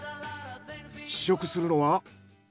試食するのは。